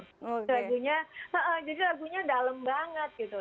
lagunya jadi lagunya dalem banget gitu